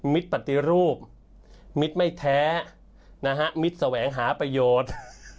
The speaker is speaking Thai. ปฏิรูปมิตรไม่แท้นะฮะมิตรแสวงหาประโยชน์